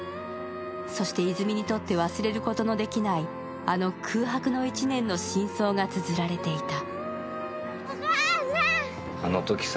そして、泉にとって忘れることのできないあの空白の一年の真相がつづられていた。